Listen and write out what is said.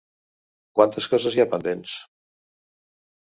Quantes coses hi ha pendents?